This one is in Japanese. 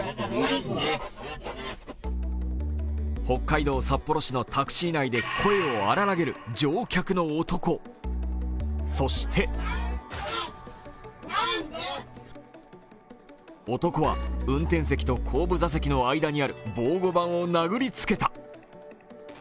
北海道札幌市のタクシー内で声を荒らげる乗客の男、そして男は運転席と後部座席の間にある防護板を殴りつけた。